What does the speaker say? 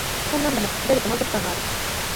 こんなんでも食べると満足感ある